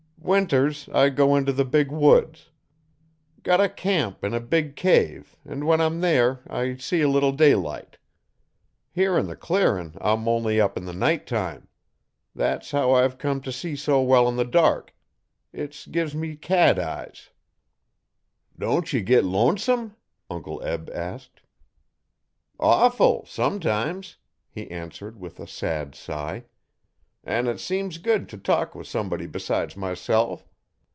Winters I go into the big woods. Got a camp in a big cave an' when I'm there I see a little daylight. Here 'n the clearin' I'm only up in the night time. Thet's how I've come to see so well in the dark. It's give me cat's eyes.' 'Don't ye git lonesome?' Uncle Eb asked. 'Awful sometimes,' he answered with a sad sigh, 'an' it seems good t' talk with somebody besides myself.